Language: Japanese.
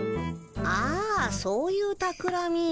あそういうたくらみ。